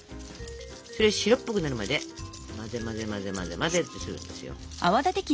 それ白っぽくなるまで混ぜ混ぜ混ぜ混ぜ混ぜってするんですよ。